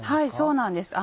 そうなんです。